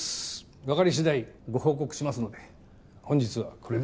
わかりしだいご報告しますので本日はこれで。